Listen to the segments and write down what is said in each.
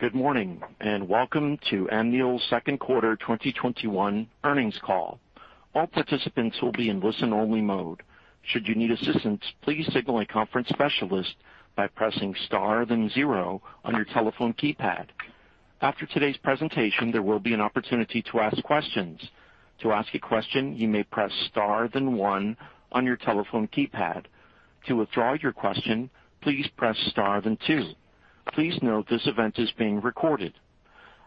Good morning. Welcome to Amneal's Q2 2021 earnings call. All participants will be in listen-only mode. Should you need assistance, please signal a conference specialist by pressing star then zero on your telephone keypad. After today's presentation, there will be an opportunity to ask questions. To ask a question, you may press star then one on your telephone keypad. To withdraw your question, please press star then two. Please note this event is being recorded.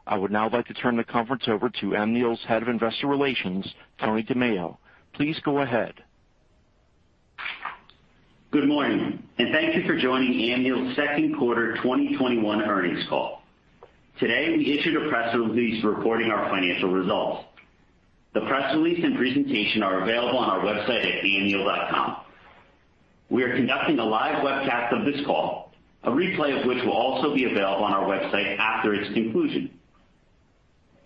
I would now like to turn the conference over to Amneal's Head of Investor Relations, Tony DiMeo. Please go ahead. Good morning. Thank you for joining Amneal's Q2 2021 earnings call. Today, we issued a press release reporting our financial results. The press release and presentation are available on our website at amneal.com. We are conducting a live webcast of this call, a replay of which will also be available on our website after its conclusion.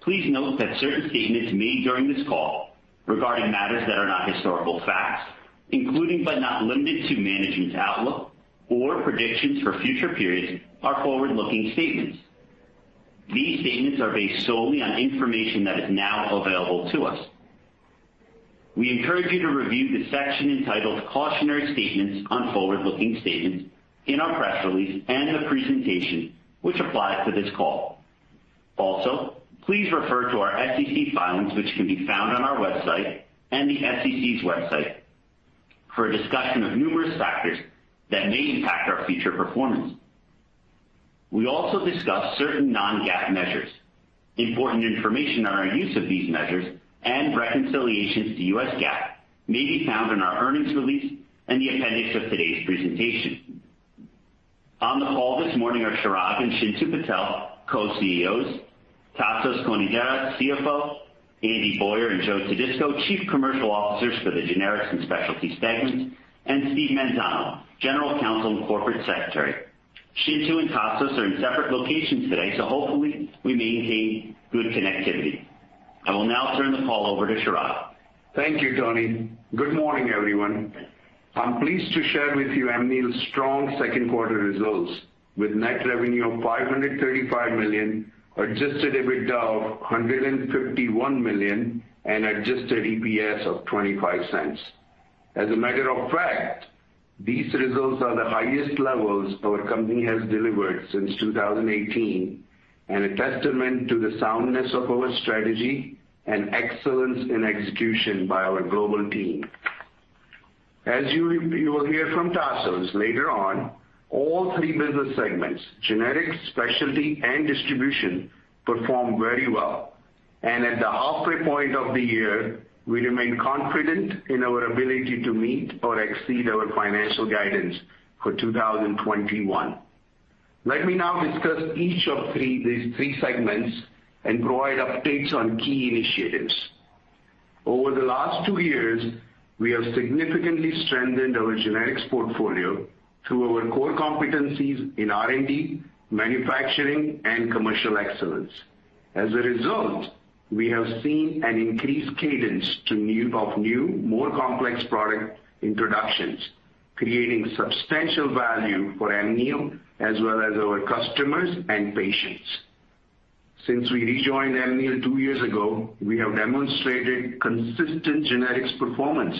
Please note that certain statements made during this call regarding matters that are not historical facts, including but not limited to management's outlook or predictions for future periods, are forward-looking statements. These statements are based solely on information that is now available to us. We encourage you to review the section entitled Cautionary Statements on Forward-Looking Statements in our press release and the presentation, which applies to this call. Please refer to our SEC filings, which can be found on our website and the SEC's website, for a discussion of numerous factors that may impact our future performance. We also discuss certain non-GAAP measures. Important information on our use of these measures and reconciliations to U.S. GAAP may be found in our earnings release and the appendix of today's presentation. On the call this morning are Chirag and Chintu Patel, Co-CEOs, Tasos Konidaris, CFO, Andy Boyer and Joe Todisco, Chief Commercial Officers for the Generics and Specialty segments, and Steve Manzano, General Counsel and Corporate Secretary. Chintu and Tasos are in separate locations today, hopefully we maintain good connectivity. I will now turn the call over to Chirag. Thank you, Tony. Good morning, everyone. I'm pleased to share with you Amneal's strong Q2 results with net revenue of $535 million, adjusted EBITDA of $151 million, and adjusted EPS of $0.25. As a matter of fact, these results are the highest levels our company has delivered since 2018 and a testament to the soundness of our strategy and excellence in execution by our global team. As you will hear from Tasos later on, all three business segments, generics, specialty, and distribution, performed very well. At the halfway point of the year, we remain confident in our ability to meet or exceed our financial guidance for 2021. Let me now discuss each of these three segments and provide updates on key initiatives. Over the last two years, we have significantly strengthened our generics portfolio through our core competencies in R&D, manufacturing, and commercial excellence. As a result, we have seen an increased cadence of new, more complex product introductions, creating substantial value for Amneal as well as our customers and patients. Since we rejoined Amneal two years ago, we have demonstrated consistent generics performance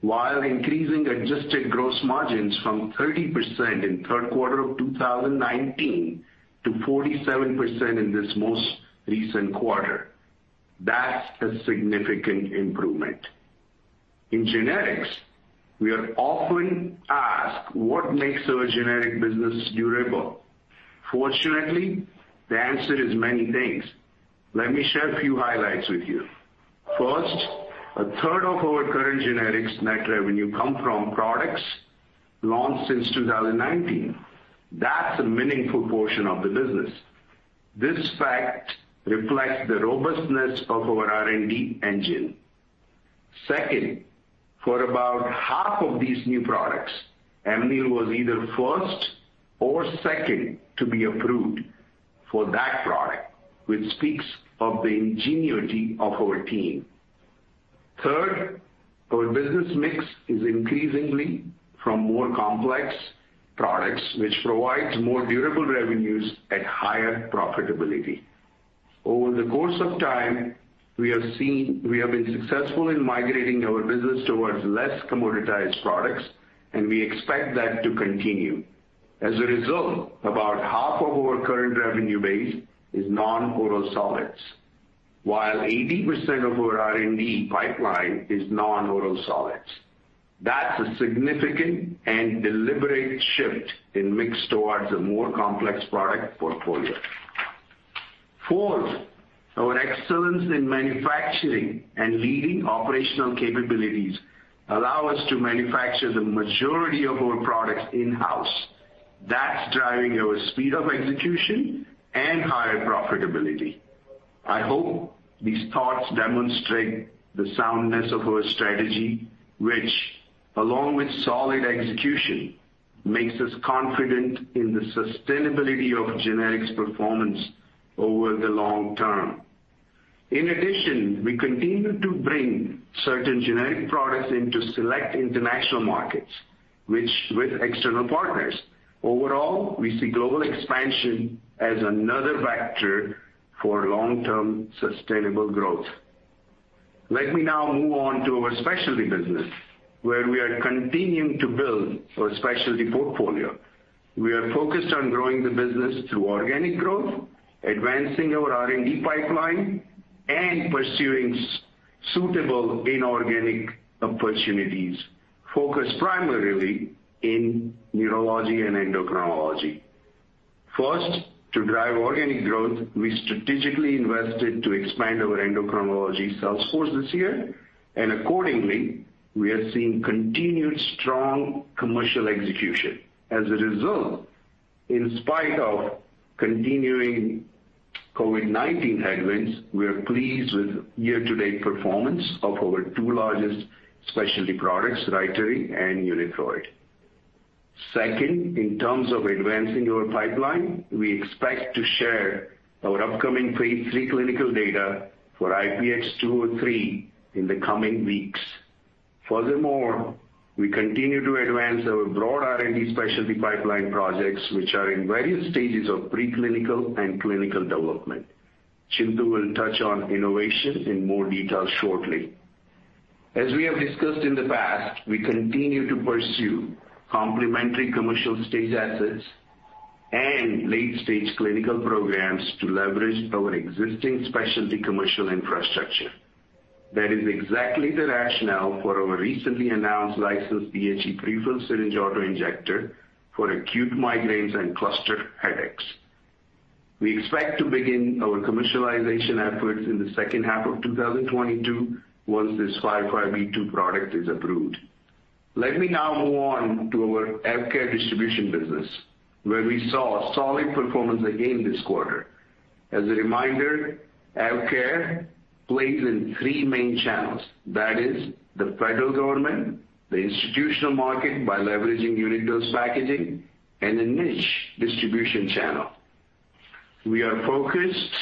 while increasing adjusted gross margins from 30% in Q3 of 2019 to 47% in this most recent quarter. That's a significant improvement. In generics, we are often asked what makes our generic business durable. Fortunately, the answer is many things. Let me share a few highlights with you. First, 1/3 of our current generics net revenue come from products launched since 2019. That's a meaningful portion of the business. This fact reflects the robustness of our R&D engine. For about half of these new products, Amneal was either first or second to be approved for that product, which speaks of the ingenuity of our team. Our business mix is increasingly from more complex products, which provides more durable revenues at higher profitability. Over the course of time, we have been successful in migrating our business towards less commoditized products, and we expect that to continue. As a result, about half of our current revenue base is non-oral solids, while 80% of our R&D pipeline is non-oral solids. That's a significant and deliberate shift in mix towards a more complex product portfolio. Our excellence in manufacturing and leading operational capabilities allow us to manufacture the majority of our products in-house. That's driving our speed of execution and higher profitability. I hope these thoughts demonstrate the soundness of our strategy, which along with solid execution, makes us confident in the sustainability of generics performance over the long term. In addition, we continue to bring certain generic products into select international markets with external partners. Overall, we see global expansion as another factor for long-term sustainable growth. Let me now move on to our specialty business, where we are continuing to build our specialty portfolio. We are focused on growing the business through organic growth, advancing our R&D pipeline, and pursuing suitable inorganic opportunities, focused primarily in neurology and endocrinology. First, to drive organic growth, we strategically invested to expand our endocrinology sales force this year, and accordingly, we are seeing continued strong commercial execution. As a result, in spite of continuing COVID-19 headwinds, we are pleased with year-to-date performance of our two largest specialty products, RYTARY and UNITHROID. Second, in terms of advancing our pipeline, we expect to share our upcoming phase III clinical data for IPX203 in the coming weeks. Furthermore, we continue to advance our broad R&D specialty pipeline projects, which are in various stages of preclinical and clinical development. Chintu will touch on innovation in more detail shortly. As we have discussed in the past, we continue to pursue complementary commercial-stage assets and late-stage clinical programs to leverage our existing specialty commercial infrastructure. That is exactly the rationale for our recently announced licensed DHE pre-filled syringe auto-injector for acute migraines and cluster headaches. We expect to begin our commercialization efforts in the H2 of 2022 once this 505(b)(2) product is approved. Let me now move on to our AvKARE distribution business, where we saw solid performance again this quarter. As a reminder, AvKARE plays in three main channels. That is the federal government, the institutional market by leveraging unit dose packaging, and the niche distribution channel. We are focused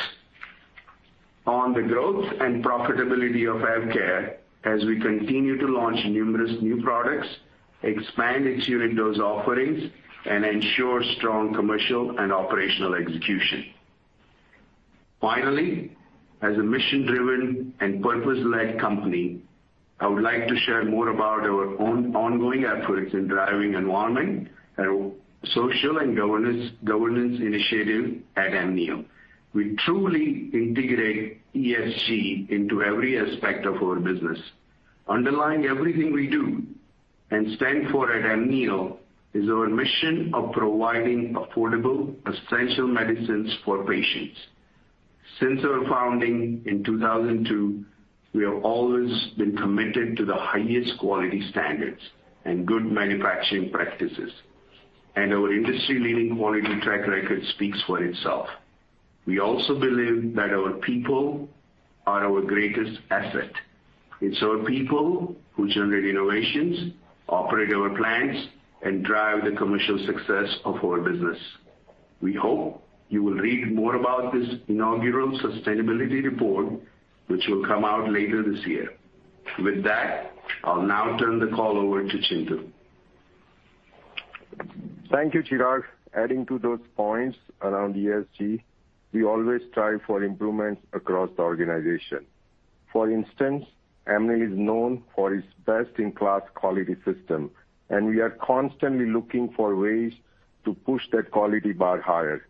on the growth and profitability of AvKARE as we continue to launch numerous new products, expand its unit dose offerings, and ensure strong commercial and operational execution. Finally, as a mission-driven and purpose-led company, I would like to share more about our ongoing efforts in driving Environmental, Social, and Governance initiatives at Amneal. We truly integrate ESG into every aspect of our business. Underlying everything we do and stand for at Amneal is our mission of providing affordable, essential medicines for patients. Since our founding in 2002, we have always been committed to the highest quality standards and good manufacturing practices. Our industry-leading quality track record speaks for itself. We also believe that our people are our greatest asset. It's our people who generate innovations, operate our plants, and drive the commercial success of our business. We hope you will read more about this inaugural sustainability report, which will come out later this year. With that, I'll now turn the call over to Chintu. Thank you, Chirag. Adding to those points around ESG, we always strive for improvements across the organization. For instance, Amneal is known for its best-in-class quality system, and we are constantly looking for ways to push that quality bar higher.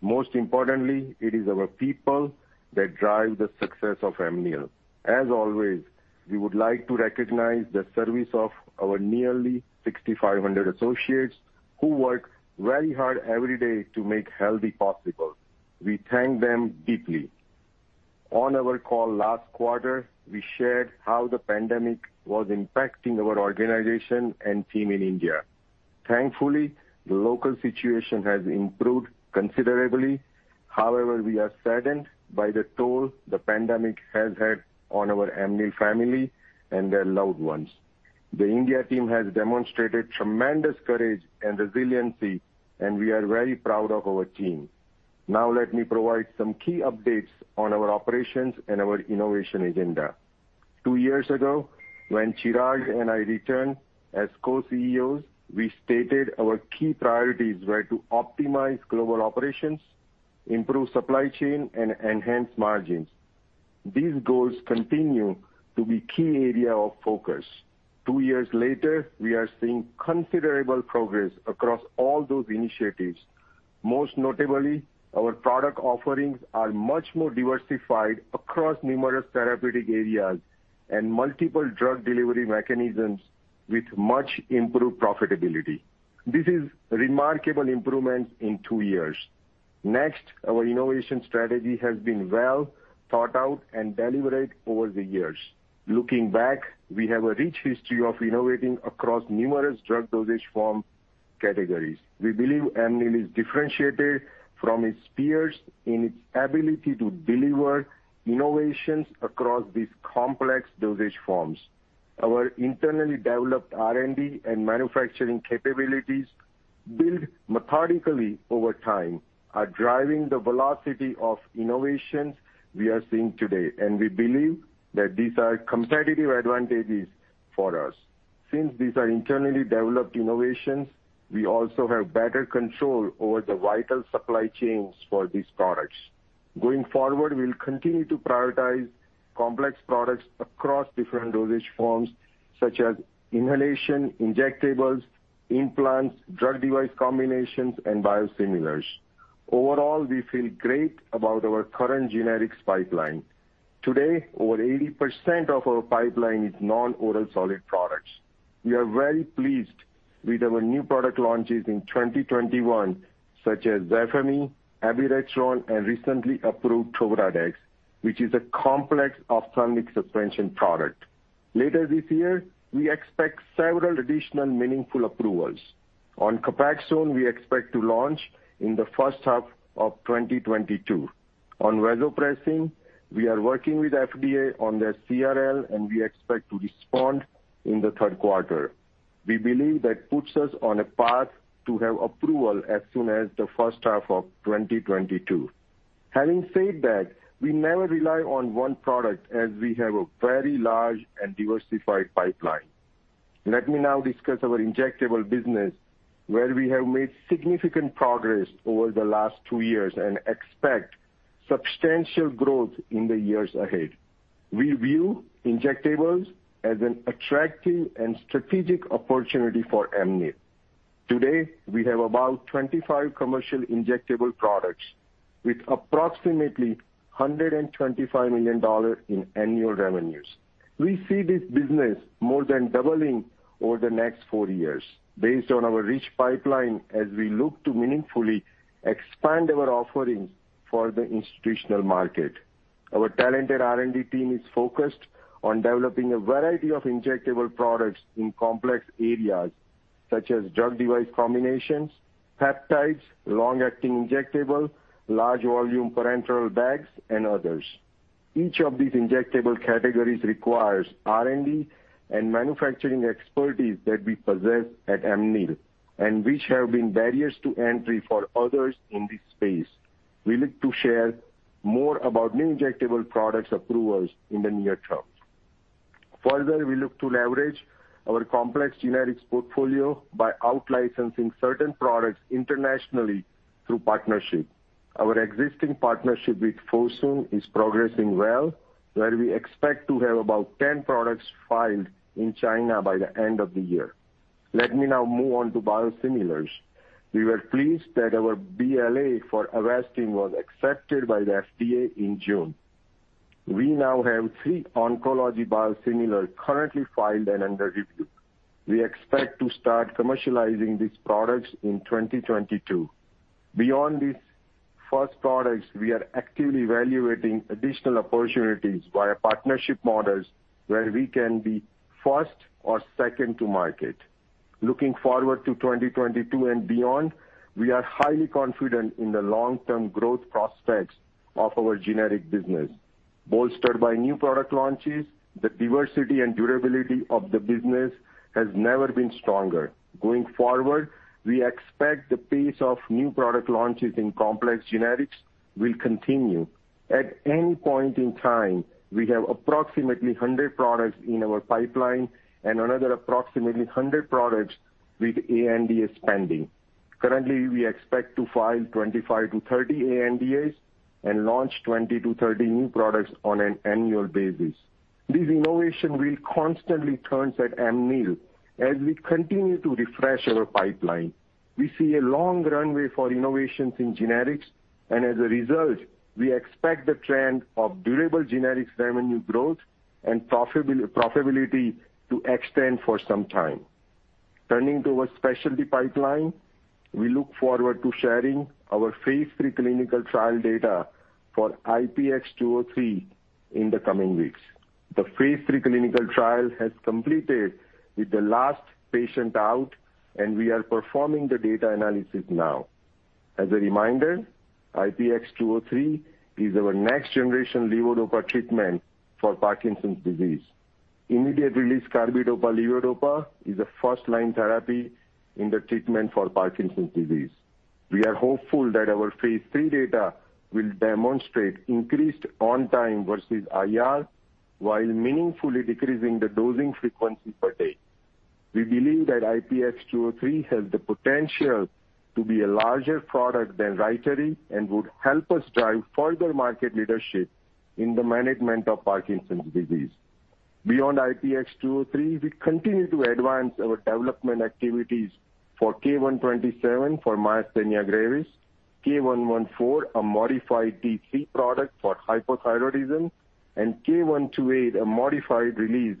Most importantly, it is our people that drive the success of Amneal. As always, we would like to recognize the service of our nearly 6,500 associates who work very hard every day to make healthy possible. We thank them deeply. On our call last quarter, we shared how the pandemic was impacting our organization and team in India. Thankfully, the local situation has improved considerably. However, we are saddened by the toll the pandemic has had on our Amneal family and their loved ones. The India team has demonstrated tremendous courage and resiliency, and we are very proud of our team. Now let me provide some key updates on our operations and our innovation agenda. Two years ago, when Chirag and I returned as Co-CEOs, we stated our key priorities were to optimize global operations, improve supply chain, and enhance margins. These goals continue to be key area of focus. Two years later, we are seeing considerable progress across all those initiatives. Most notably, our product offerings are much more diversified across numerous therapeutic areas and multiple drug delivery mechanisms with much improved profitability. This is remarkable improvements in two years. Next, our innovation strategy has been well thought out and deliberate over the years. Looking back, we have a rich history of innovating across numerous drug dosage form categories. We believe Amneal is differentiated from its peers in its ability to deliver innovations across these complex dosage forms. Our internally developed R&D and manufacturing capabilities built methodically over time are driving the velocity of innovations we are seeing today. We believe that these are competitive advantages for us. Since these are internally developed innovations, we also have better control over the vital supply chains for these products. Going forward, we'll continue to prioritize complex products across different dosage forms, such as inhalation, injectables, implants, drug device combinations, and biosimilars. Overall, we feel great about our current generics pipeline. Today, over 80% of our pipeline is non-oral solid products. We are very pleased with our new product launches in 2021, such as ZAFEMY, abiraterone, and recently approved TobraDex, which is a complex ophthalmic suspension product. Later this year, we expect several additional meaningful approvals. On COPAXONE, we expect to launch in the H1 of 2022. On vasopressin, we are working with FDA on their CRL, and we expect to respond in the Q3. We believe that puts us on a path to have approval as soon as the H1 of 2022. Having said that, we never rely on one product as we have a very large and diversified pipeline. Let me now discuss our injectable business, where we have made significant progress over the last two years and expect substantial growth in the years ahead. We view injectables as an attractive and strategic opportunity for Amneal. Today, we have about 25 commercial injectable products with approximately $125 million in annual revenues. We see this business more than doubling over the next four years based on our rich pipeline as we look to meaningfully expand our offerings for the institutional market. Our talented R&D team is focused on developing a variety of injectable products in complex areas such as drug device combinations, peptides, long-acting injectable, large volume parenteral bags, and others. Each of these injectable categories requires R&D and manufacturing expertise that we possess at Amneal, and which have been barriers to entry for others in this space. We look to share more about new injectable products approvals in the near term. Further, we look to leverage our complex generics portfolio by out-licensing certain products internationally through partnership. Our existing partnership with Fosun is progressing well, where we expect to have about 10 products filed in China by the end of the year. Let me now move on to biosimilars. We were pleased that our BLA for ALYMSYS was accepted by the FDA in June. We now have three oncology biosimilars currently filed and under review. We expect to start commercializing these products in 2022. Beyond these first products, we are actively evaluating additional opportunities via partnership models where we can be first or second to market. Looking forward to 2022 and beyond, we are highly confident in the long-term growth prospects of our generic business. Bolstered by new product launches, the diversity and durability of the business has never been stronger. Going forward, we expect the pace of new product launches in complex generics will continue. At any point in time, we have approximately 100 products in our pipeline and another approximately 100 products with ANDAs pending. Currently, we expect to file 25-30 ANDAs and launch 20-30 new products on an annual basis. This innovation will constantly turn at Amneal as we continue to refresh our pipeline. We see a long runway for innovations in generics, and as a result, we expect the trend of durable generics revenue growth and profitability to extend for some time. Turning to our specialty pipeline, we look forward to sharing our phase III clinical trial data for IPX203 in the coming weeks. The phase III clinical trial has completed with the last patient out, and we are performing the data analysis now. As a reminder, IPX203 is our next generation levodopa treatment for Parkinson's disease. Immediate release carbidopa levodopa is a first-line therapy in the treatment for Parkinson's disease. We are hopeful that our phase III data will demonstrate increased on-time versus IR, while meaningfully decreasing the dosing frequency per day. We believe that IPX203 has the potential to be a larger product than RYTARY and would help us drive further market leadership in the management of Parkinson's disease. Beyond IPX203, we continue to advance our development activities for K127 for myasthenia gravis, K114, a modified T3 product for hypothyroidism, and K128, a modified release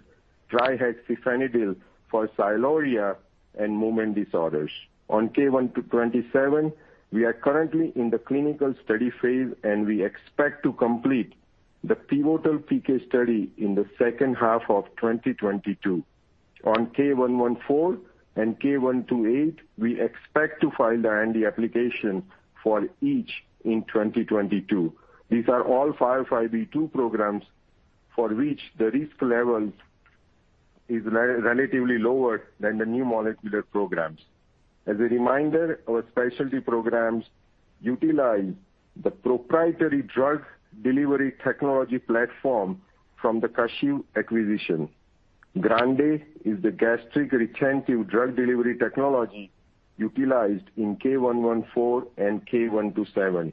trihexyphenidyl for sialorrhea and movement disorders. On K127, we are currently in the clinical study phase. We expect to complete the pivotal PK study in the H2 of 2022. On K114 and K128, we expect to file the NDA application for each in 2022. These are all 505(b)(2) programs for which the risk levels are relatively lower than the new molecular programs. As a reminder, our specialty programs utilize the proprietary drug delivery technology platform from the Kashiv acquisition. GRANDE® is the gastric retentive drug delivery technology utilized in K114 and K127.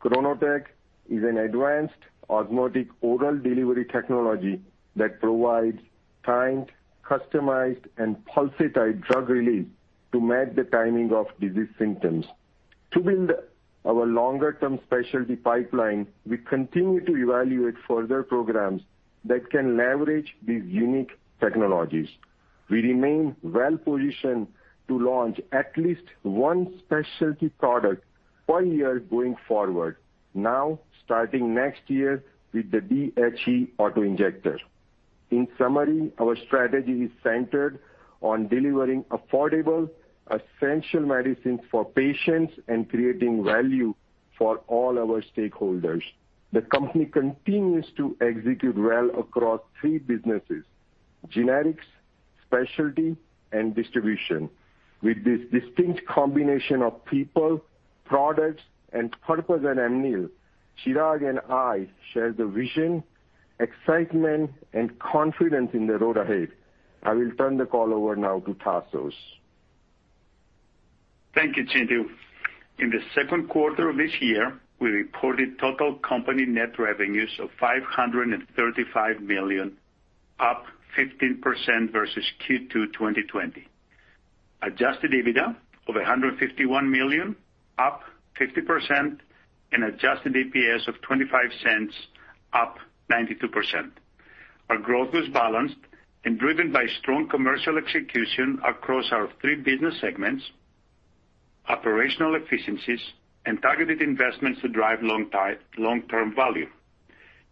KRONOTEC® is an advanced osmotic oral delivery technology that provides timed, customized, and pulsatile drug release to match the timing of disease symptoms. To build our longer-term specialty pipeline, we continue to evaluate further programs that can leverage these unique technologies. We remain well-positioned to launch at least one specialty product per year going forward, now starting next year with the DHE auto-injector. In summary, our strategy is centered on delivering affordable, essential medicines for patients and creating value for all our stakeholders. The company continues to execute well across three businesses, generics, specialty, and distribution. With this distinct combination of people, products, and purpose at Amneal, Chirag and I share the vision, excitement, and confidence in the road ahead. I will turn the call over now to Tasos. Thank you, Chintu. In the H2 of this year, we reported total company net revenues of $535 million, up 15% versus Q2 2020. Adjusted EBITDA of $151 million, up 50%, and adjusted EPS of $0.25, up 92%. Our growth was balanced and driven by strong commercial execution across our three business segments, operational efficiencies, and targeted investments to drive long-term value.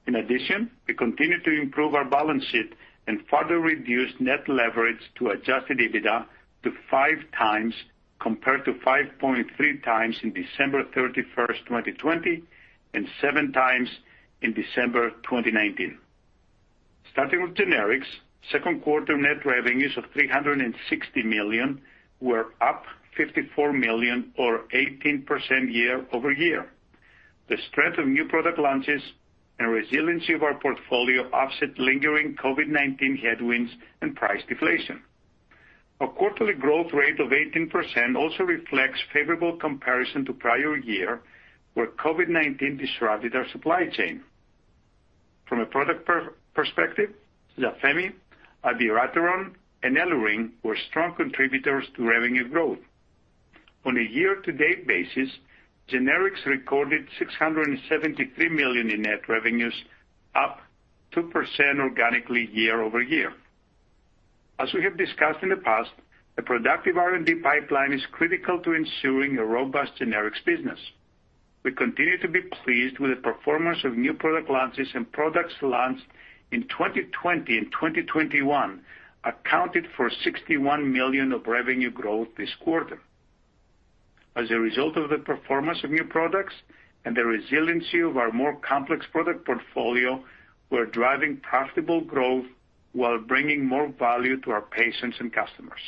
In addition, we continue to improve our balance sheet and further reduce net leverage to adjusted EBITDA to 5x, compared to 5.3x in December 31, 2020, and 7x in December 2019. Starting with generics, Q2 net revenues of $360 million were up $54 million or 18% year-over-year. The strength of new product launches and resiliency of our portfolio offset lingering COVID-19 headwinds and price deflation. Our quarterly growth rate of 18% also reflects favorable comparison to prior year, where COVID-19 disrupted our supply chain. From a product perspective, ZAFEMY, abiraterone, and EluRyng were strong contributors to revenue growth. On a year-to-date basis, generics recorded $673 million in net revenues, up 2% organically year-over-year. As we have discussed in the past, a productive R&D pipeline is critical to ensuring a robust generics business. We continue to be pleased with the performance of new product launches and products launched in 2020 and 2021 accounted for $61 million of revenue growth this quarter. As a result of the performance of new products and the resiliency of our more complex product portfolio, we're driving profitable growth while bringing more value to our patients and customers.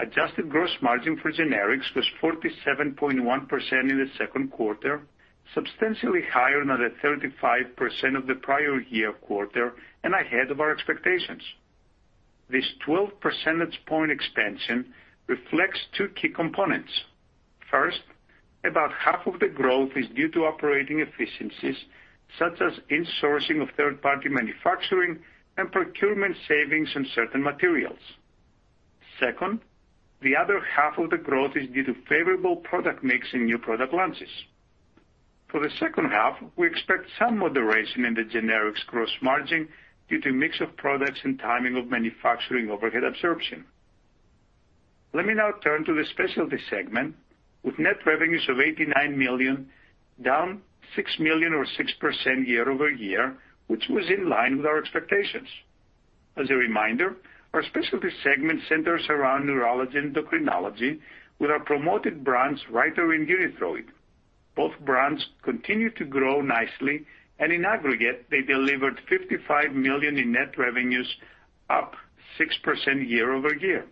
Adjusted gross margin for generics was 47.1% in the Q2, substantially higher than the 35% of the prior year quarter and ahead of our expectations. This 12 percentage point expansion reflects two key components. First, about half of the growth is due to operating efficiencies, such as in-sourcing of third-party manufacturing and procurement savings on certain materials. Second, the other half of the growth is due to favorable product mix and new product launches. For the H2, we expect some moderation in the generics gross margin due to mix of products and timing of manufacturing overhead absorption. Let me now turn to the Specialty segment, with net revenues of $89 million, down $6 million or 6% year-over-year, which was in line with our expectations. As a reminder, our Specialty segment centers around neurology and endocrinology with our promoted brands, RYTARY, UNITHROID. Both brands continue to grow nicely, and in aggregate, they delivered $55 million in net revenues, up 6% year-over-year.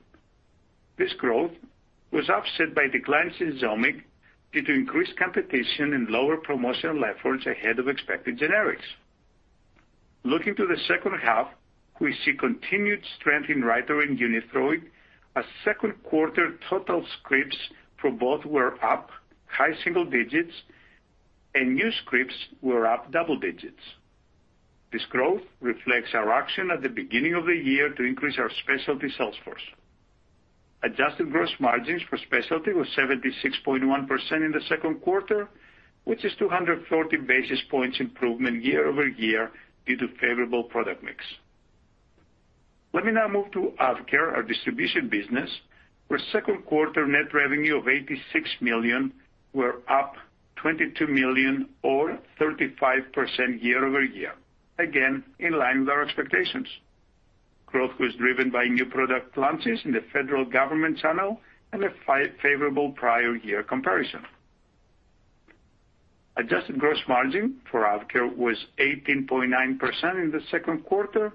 This growth was offset by declines in Zomig due to increased competition and lower promotional efforts ahead of expected generics. Looking to the H2, we see continued strength in RYTARY, UNITHROID. Second quarter total scripts for both were up high single digits and new scripts were up double digits. This growth reflects our action at the beginning of the year to increase our specialty sales force. Adjusted gross margins for specialty was 76.1% in the Q2, which is 230 basis points improvement year-over-year due to favorable product mix. Let me now move to AvKARE, our distribution business, where Q2 net revenue of $86 million were up $22 million or 35% year-over-year, again, in line with our expectations. Growth was driven by new product launches in the federal government channel and a favorable prior year comparison. Adjusted gross margin for AvKARE was 18.9% in the Q2,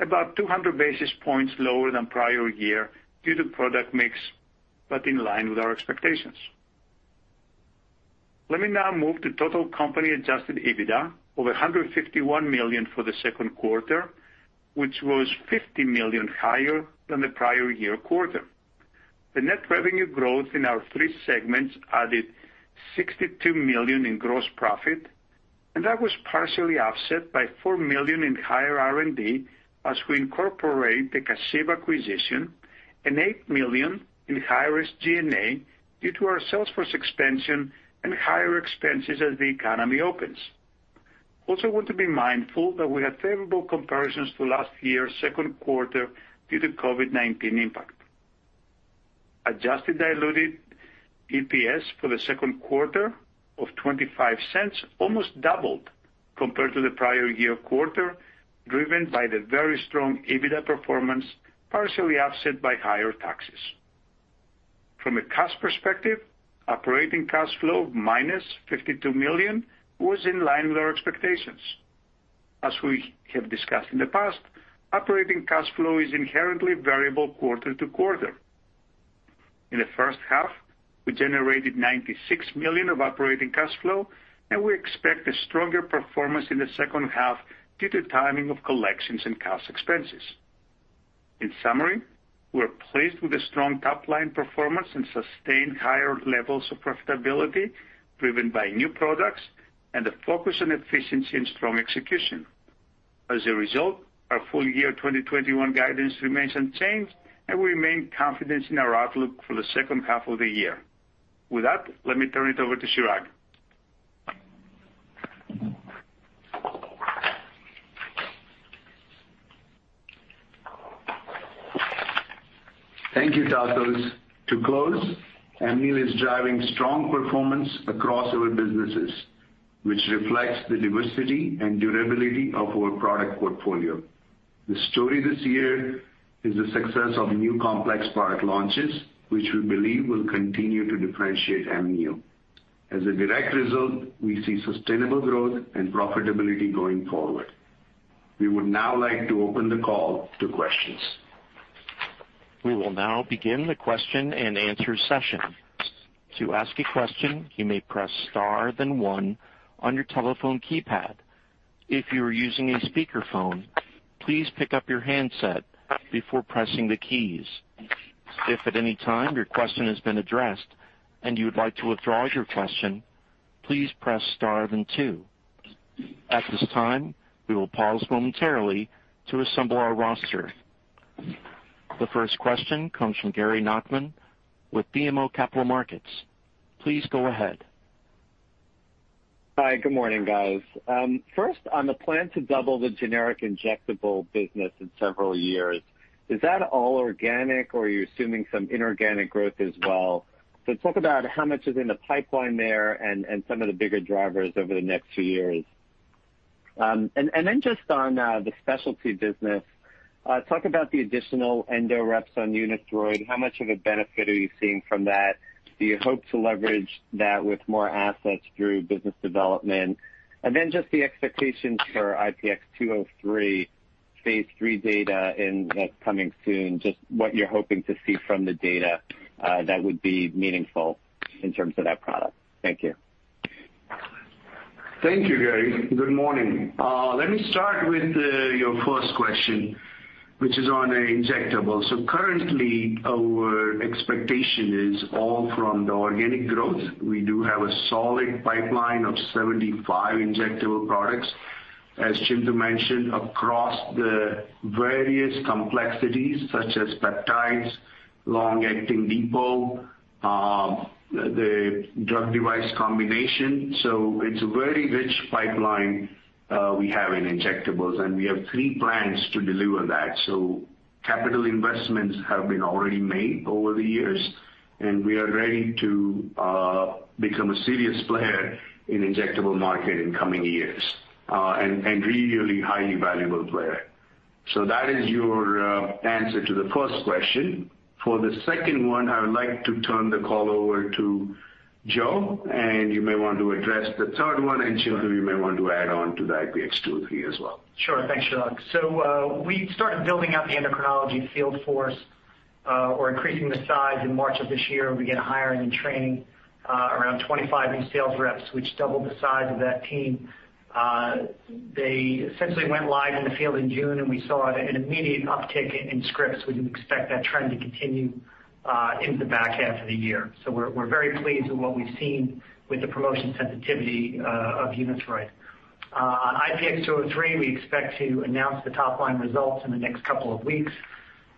about 200 basis points lower than prior year due to product mix, but in line with our expectations. Let me now move to total company adjusted EBITDA of $151 million for the Q2, which was $50 million higher than the prior year quarter. That was partially offset by $4 million in higher R&D as we incorporate the Kashiv acquisition and $8 million in higher SG&A due to our sales force expansion and higher expenses as the economy opens. Want to be mindful that we had favorable comparisons to last year's second quarter due to COVID-19 impact. Adjusted diluted EPS for the Q2 of $0.25 almost doubled compared to the prior year quarter, driven by the very strong EBITDA performance, partially offset by higher taxes. From a cash perspective, operating cash flow -$52 million was in line with our expectations. As we have discussed in the past, operating cash flow is inherently variable quarter to quarter. In the H1, we generated $96 million of operating cash flow, and we expect a stronger performance in the H2 due to timing of collections and cash expenses. In summary, we're pleased with the strong top-line performance and sustained higher levels of profitability driven by new products and a focus on efficiency and strong execution. As a result, our full year 2021 guidance remains unchanged, and we remain confident in our outlook for the H2 of the year. With that, let me turn it over to Chirag. Thank you, Tasos. To close, Amneal is driving strong performance across our businesses, which reflects the diversity and durability of our product portfolio. The story this year is the success of new complex product launches, which we believe will continue to differentiate Amneal. As a direct result, we see sustainable growth and profitability going forward. We would now like to open the call to questions. We will now begin the question and answer session. To ask a question, you may press star then one on your telephone keypad. If you are using a speaker phone, please pick up your handset before pressing the keys. If at any time your question has been addressed and you would like to withdraw your question please press star then two. At this time, we will pause momentarily to assemble our roster. The first question comes from Gary Nachman with BMO Capital Markets. Please go ahead. Hi, good morning, guys. First, on the plan to double the generic injectable business in several years, is that all organic or are you assuming some inorganic growth as well? Talk about how much is in the pipeline there and some of the bigger drivers over the next few years. On the specialty business, talk about the additional Endo reps on UNITHROID. How much of a benefit are you seeing from that? Do you hope to leverage that with more assets through business development? The expectations for IPX203 phase III data and that's coming soon, just what you're hoping to see from the data that would be meaningful in terms of that product. Thank you. Thank you, Gary. Good morning. Let me start with your first question, which is on injectables. Currently, our expectation is all from the organic growth. We do have a solid pipeline of 75 injectable products, as Chintu mentioned, across the various complexities such as peptides, long-acting depot, the drug device combination. It's a very rich pipeline we have in injectables, and we have three plans to deliver that. Capital investments have been already made over the years, and we are ready to become a serious player in injectable market in coming years, and really highly valuable player. That is your answer to the first question. For the second one, I would like to turn the call over to Joe, and you may want to address the third one, and Chintu, you may want to add on to the IPX203 as well. Sure. Thanks, Chirag. We started building out the endocrinology field force or increasing the size in March of this year. We began hiring and training around 25 new sales reps, which doubled the size of that team. They essentially went live in the field in June, and we saw an immediate uptick in scripts. We expect that trend to continue into the back half of the year. We're very pleased with what we've seen with the promotion sensitivity of UNITHROID. On IPX203, we expect to announce the top-line results in the next couple of weeks.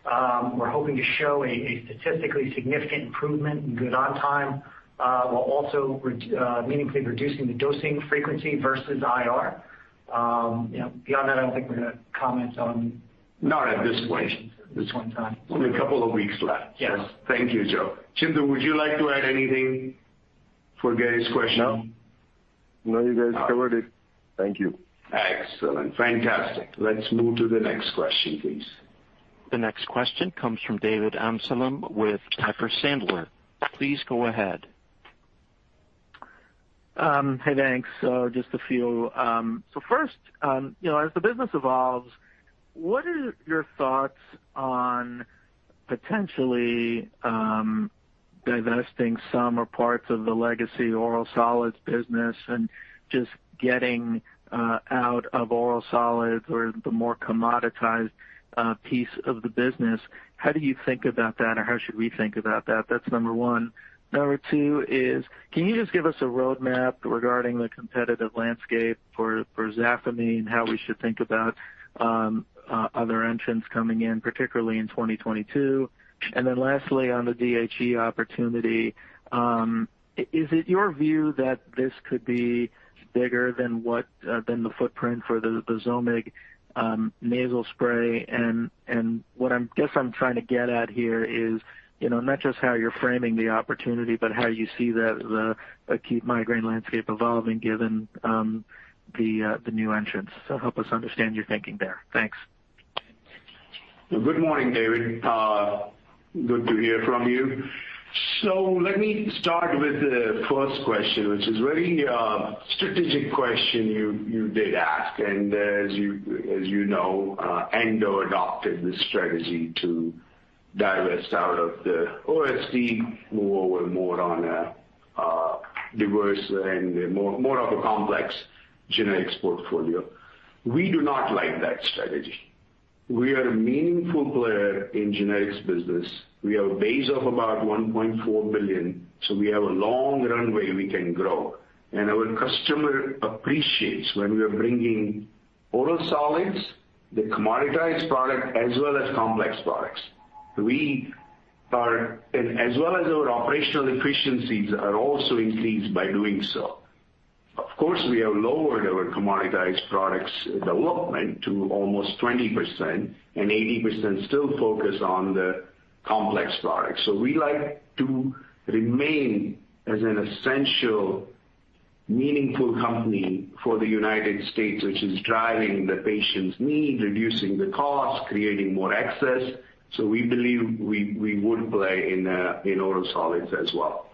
We're hoping to show a statistically significant improvement in good on time, while also meaningfully reducing the dosing frequency versus IR. Beyond that, I don't think we're going to comment on. Not at this point. This one time. Only a couple of weeks left. Yes. Thank you, Joe. Chintu, would you like to add anything for Gary's question? No. No, you guys covered it. Thank you. Excellent. Fantastic. Let's move to the next question, please. The next question comes from David Amsellem with Piper Sandler. Please go ahead. Hey, thanks. First, as the business evolves, what are your thoughts on potentially divesting some or parts of the legacy oral solids business and just getting out of oral solids or the more commoditized piece of the business? How do you think about that, or how should we think about that? That's number one. Number two is, can you just give us a roadmap regarding the competitive landscape for ZAFEMY®, how we should think about other entrants coming in, particularly in 2022? Lastly, on the DHE opportunity, is it your view that this could be bigger than the footprint for the ZOMIG Nasal Spray? What I guess I'm trying to get at here is, not just how you're framing the opportunity, but how you see the acute migraine landscape evolving given the new entrants. Help us understand your thinking there. Thanks. Good morning, David. Good to hear from you. Let me start with the first question, which is a very strategic question you did ask. As you know, Endo adopted this strategy to divest out of the OSD, more on diverse and more of a complex generics portfolio. We do not like that strategy. We are a meaningful player in generics business. We have a base of about $1.4 billion, so we have a long runway we can grow, and our customer appreciates when we are bringing oral solids, the commoditized product, as well as complex products. Our operational efficiencies are also increased by doing so. We have lowered our commoditized products development to almost 20%, and 80% still focus on the complex products. We like to remain as an essential, meaningful company for the U.S., which is driving the patient's need, reducing the cost, creating more access. We believe we would play in oral solids as well.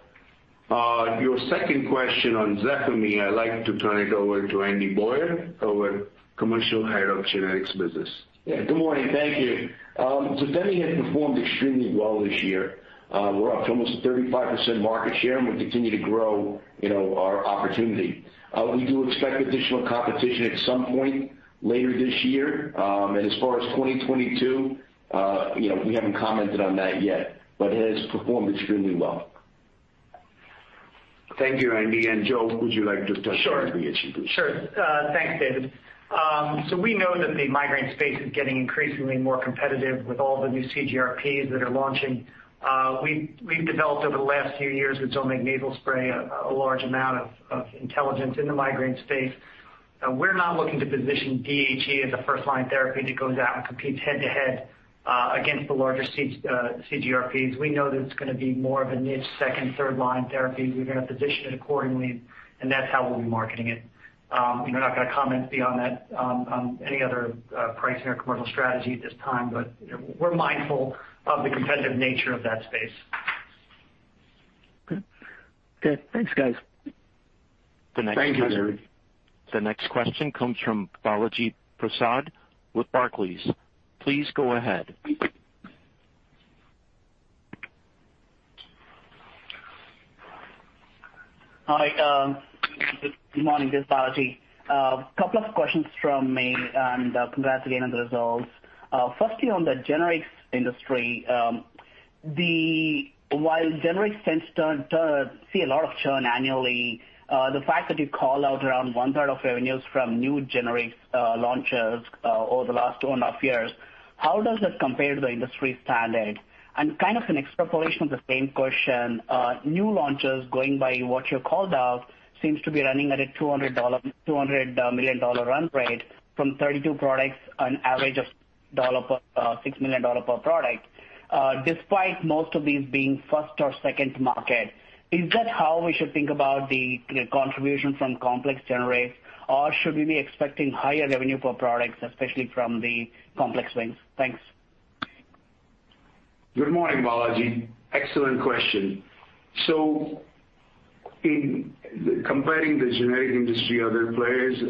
Your second question on ZAFEMY®, I'd like to turn it over to Andy Boyer, our commercial head of generics business. Good morning. Thank you. ZAFEMY® has performed extremely well this year. We're up to almost a 35% market share, and we continue to grow our opportunity. We do expect additional competition at some point later this year. As far as 2022, we haven't commented on that yet, but it has performed extremely well. Thank you, Andy. Joe, would you like to touch on DHE please? Sure. Thanks, David. We know that the migraine space is getting increasingly more competitive with all the new CGRPs that are launching. We've developed over the last few years with ZOMIG Nasal Spray, a large amount of intelligence in the migraine space. We're not looking to position DHE as a first-line therapy that goes out and competes head-to-head against the larger CGRPs. We know that it's going to be more of a niche second-line, third-line therapy. We're going to position it accordingly, and that's how we'll be marketing it. We're not going to comment beyond that on any other pricing or commercial strategy at this time, but we're mindful of the competitive nature of that space. Okay. Thanks, guys. Thank you, David. The next question comes from Balaji Prasad with Barclays. Please go ahead. Hi, good morning. This is Balaji. A couple of questions from me, congrats again on the results. Firstly, on the generics industry, while generics tends to see a lot of churn annually, the fact that you call out around 1/3 of revenues from new generics launches over the last 2.5 years, how does that compare to the industry standard? Kind of an extrapolation of the same question, new launches going by what you called out seems to be running at a $200 million run rate from 32 products, an average of $6 million per product, despite most of these being first or second market. Is that how we should think about the contribution from complex generics, or should we be expecting higher revenue per products, especially from the complex wings? Thanks. Good morning, Balaji. Excellent question. In comparing the generic industry, other players,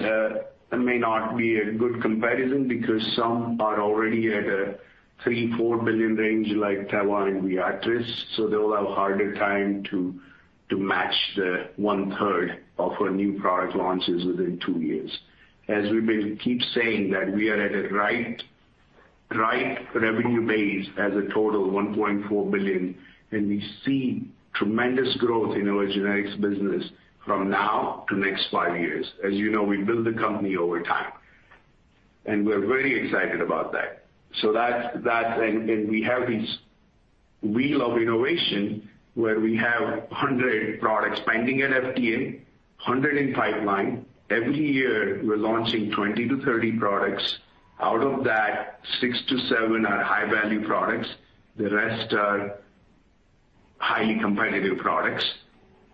that may not be a good comparison because some are already at a $3 billion-$4 billion range like Teva and Viatris, they will have harder time to match the one third of our new product launches within two years. As we keep saying that we are at a right revenue base as a total of $1.4 billion, and we see tremendous growth in our generics business from now to next five years. As you know, we build the company over time. We're very excited about that. We have this wheel of innovation where we have 100 products pending at FDA, 100 in pipeline. Every year, we're launching 20-30 products. Out of that, 6-7 are high-value products. The rest are highly competitive products.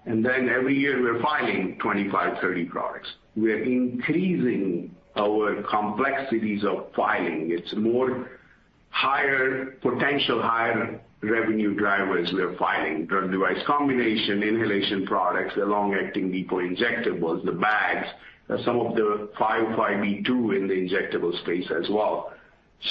Every year, we're filing 25-30 products. We are increasing our complexities of filing. It's more potential higher revenue drivers we're filing. Drug device combination, inhalation products, the long-acting depot injectables, the bags, some of the 505(b)(2) in the injectable space as well.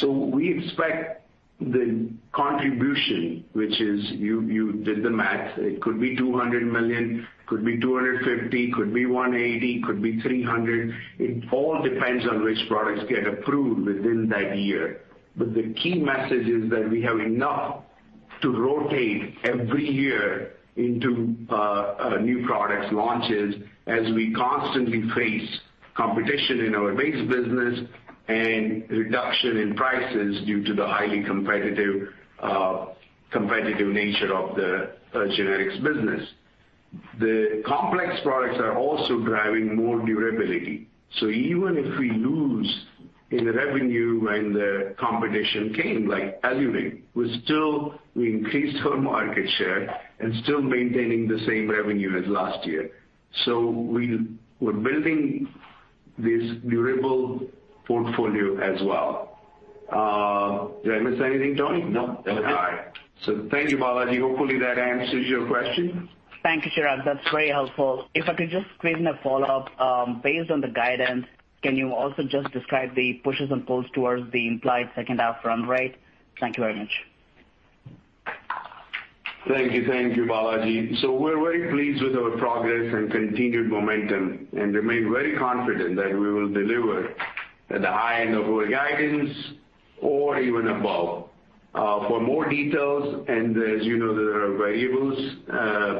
We expect the contribution, which is, you did the math, it could be $200 million, could be $250 million, could be $180 million, could be $300 million. It all depends on which products get approved within that year. The key message is that we have enough to rotate every year into new product launches as we constantly face competition in our base business and reduction in prices due to the highly competitive nature of the generics business. The complex products are also driving more durability. Even if we lose in revenue when the competition came, like EluRyng, we increased our market share and still maintaining the same revenue as last year. We're building this durable portfolio as well. Did I miss anything, Tony? No. That was it. All right. Thank you, Balaji. Hopefully that answers your question. Thank you, Chirag. That's very helpful. If I could just squeeze in a follow-up. Based on the guidance, can you also just describe the pushes and pulls towards the implied H2 run rate? Thank you very much. Thank you, Balaji. We're very pleased with our progress and continued momentum and remain very confident that we will deliver at the high end of our guidance or even above. For more details, and as you know, there are variables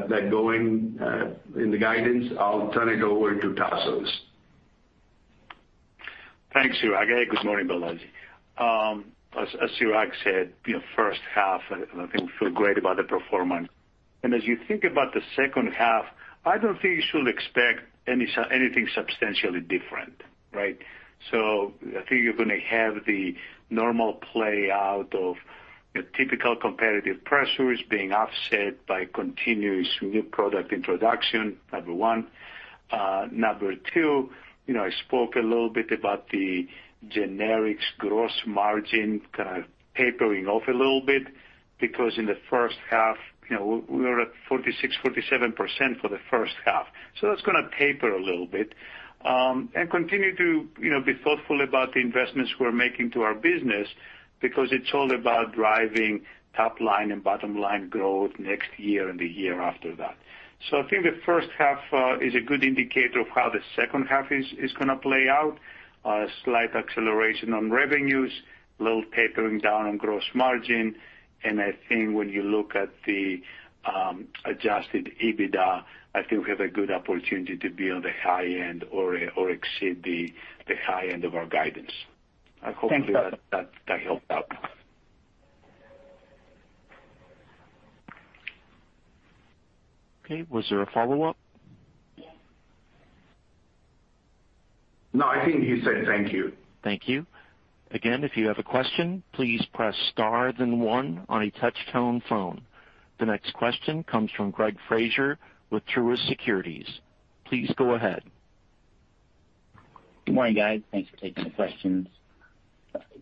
that go in the guidance, I'll turn it over to Tasos. Thanks, Chirag. Good morning, Balaji. As Chirag said, H1. I think we feel great about the performance. As you think about the H2, I don't think you should expect anything substantially different, right? I think you're going to have the normal play out of typical competitive pressures being offset by continuous new product introduction, number one. Number two, I spoke a little bit about the generics gross margin kind of tapering off a little bit because in the first half, we were at 46%-47% for the H1. That's going to taper a little bit. Continue to be thoughtful about the investments we're making to our business because it's all about driving top line and bottom line growth next year and the year after that. I think the H1 is a good indicator of how the H2 is going to play out. A slight acceleration on revenues, a little tapering down on gross margin, and I think when you look at the adjusted EBITDA, I think we have a good opportunity to be on the high end or exceed the high end of our guidance. Thanks. I hope that helped out. Okay, was there a follow-up? No, I think he said thank you. Thank you. Again, if you have a question, please press star then one on a touch-tone phone. The next question comes from Greg Fraser with Truist Securities. Please go ahead. Good morning, guys. Thanks for taking the questions.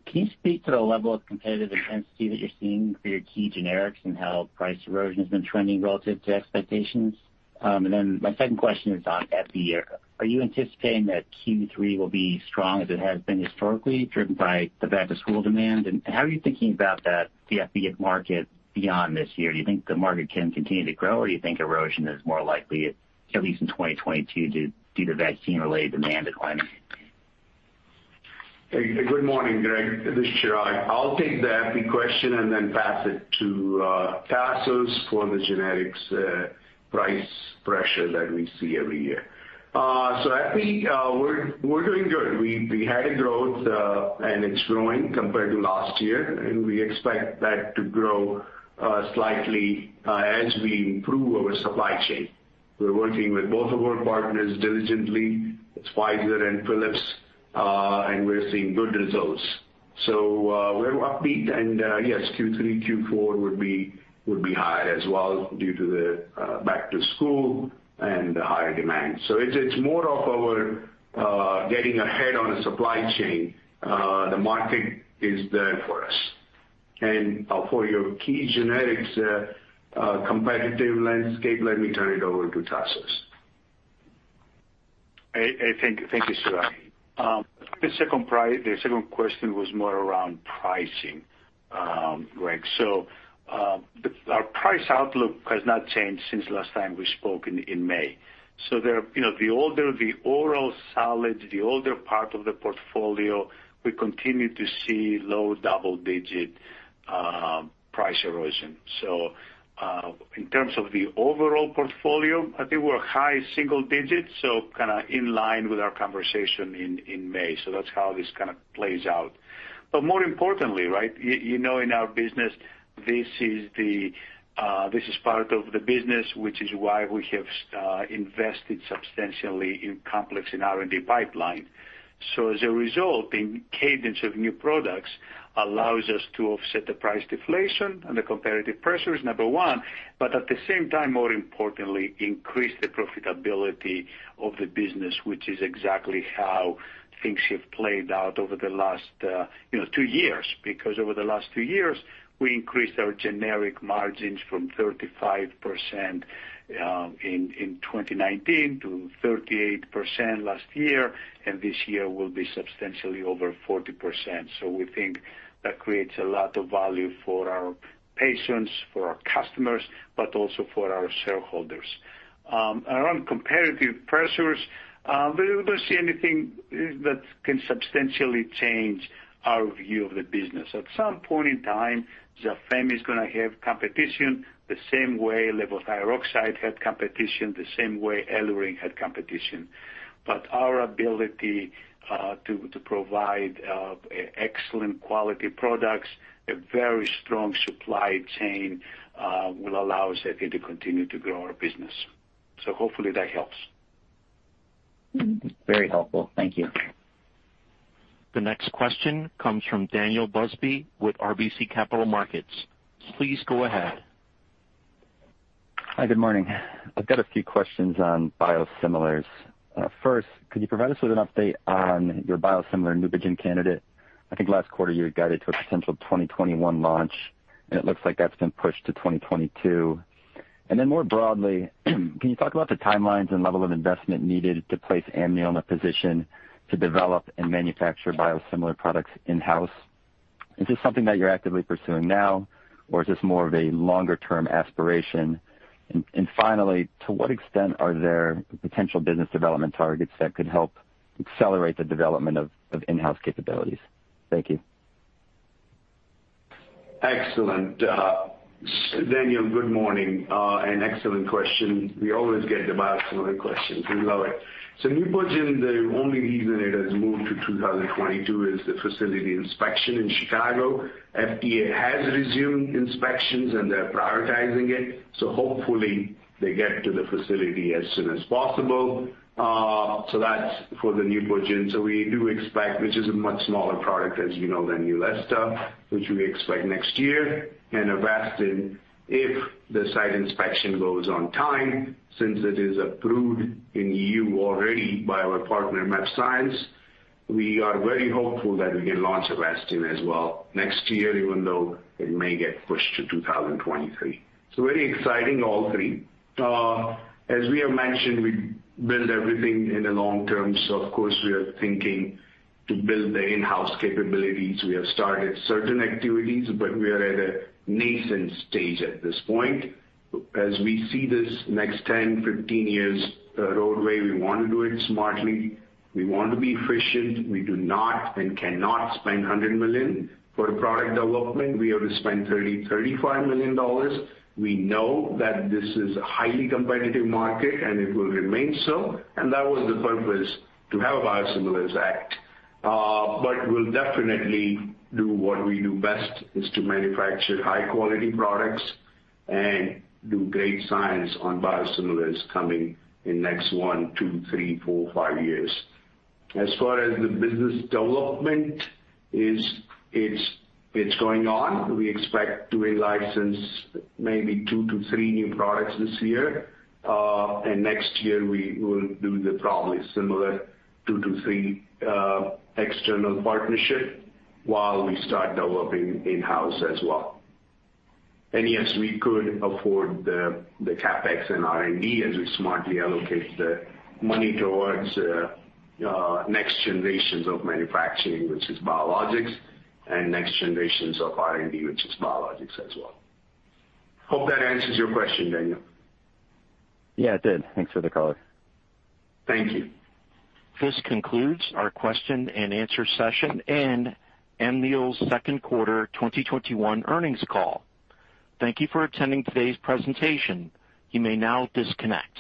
Can you speak to the level of competitive intensity that you're seeing for your key generics and how price erosion has been trending relative to expectations? My second question is on Epi. Are you anticipating that Q3 will be strong as it has been historically, driven by the back-to-school demand? How are you thinking about the Epi market beyond this year? Do you think the market can continue to grow, or do you think erosion is more likely, at least in 2022, due to vaccine-related demand declining? Hey, good morning, Greg. This is Chirag. I'll take the Epi question and then pass it to Tasos for the generics price pressure that we see every year. Epi, we're doing good. We had a growth, and it's growing compared to last year, and we expect that to grow slightly as we improve our supply chain. We're working with both of our partners diligently, Pfizer and Philips, and we're seeing good results. We're upbeat and yes, Q3, Q4 would be high as well due to the back to school and the higher demand. It's more of our getting ahead on the supply chain. The market is there for us. For your key generics competitive landscape, let me turn it over to Tasos. Hey, thank you, Chirag. The second question was more around pricing, Greg. Our price outlook has not changed since last time we spoke in May. The older the oral solids, the older part of the portfolio, we continue to see low double-digit price erosion. In terms of the overall portfolio, I think we're high single digits, so kind of in line with our conversation in May. That's how this kind of plays out. More importantly, you know in our business, this is part of the business, which is why we have invested substantially in complex in R&D pipeline. As a result, the cadence of new products allows us to offset the price deflation and the competitive pressures, number one, but at the same time, more importantly, increase the profitability of the business, which is exactly how things have played out over the last two years. Over the last two years, we increased our generic margins from 35% in 2019 to 38% last year, and this year will be substantially over 40%. We think that creates a lot of value for our patients, for our customers, but also for our shareholders. Around competitive pressures, we don't see anything that can substantially change our view of the business. At some point in time, ZAFEMY® is going to have competition the same way levothyroxine had competition, the same way NUCYNTA® had competition. Our ability to provide excellent quality products, a very strong supply chain, will allow us, I think, to continue to grow our business. Hopefully that helps. Very helpful. Thank you. The next question comes from Daniel Busby with RBC Capital Markets. Please go ahead. Hi, good morning. I've got a few questions on biosimilars. Could you provide us with an update on your biosimilar Neupogen® candidate? I think last quarter you had guided to a potential 2021 launch. It looks like that's been pushed to 2022. More broadly, can you talk about the timelines and level of investment needed to place Amneal in a position to develop and manufacture biosimilar products in-house? Is this something that you're actively pursuing now, or is this more of a longer-term aspiration? Finally, to what extent are there potential business development targets that could help accelerate the development of in-house capabilities? Thank you. Excellent. Daniel, good morning, excellent question. We always get the biosimilar questions. We love it. Neupogen®, the only reason it has moved to 2022 is the facility inspection in Chicago. FDA has resumed inspections, and they're prioritizing it, so hopefully they get to the facility as soon as possible. That's for the Neupogen®. We do expect, which is a much smaller product, as you know, than Neulasta, which we expect next year. Avastin, if the site inspection goes on time, since it is approved in EU already by our partner, mAbxience, we are very hopeful that we can launch Avastin as well next year, even though it may get pushed to 2023. Very exciting, all three. As we have mentioned, we build everything in the long term, so of course, we are thinking to build the in-house capabilities. We have started certain activities, but we are at a nascent stage at this point. As we see this next 10, 15 years roadway, we want to do it smartly. We want to be efficient. We do not and cannot spend $100 million for product development. We have to spend $30 million, $35 million. We know that this is a highly competitive market, and it will remain so, and that was the purpose to have a Biosimilars Act. We'll definitely do what we do best, is to manufacture high-quality products and do great science on biosimilars coming in next one, two, three, four, five years. As far as the business development, it's going on. We expect to license maybe 2-3 new products this year. Next year, we will do probably similar 2-3 external partnership while we start developing in-house as well. Yes, we could afford the CapEx and R&D as we smartly allocate the money towards next generations of manufacturing, which is biologics, and next generations of R&D, which is biologics as well. Hope that answers your question, Daniel. Yeah, it did. Thanks for the color. Thank you. This concludes our question and answer session and Amneal's Q2 2021 earnings call. Thank you for attending today's presentation. You may now disconnect.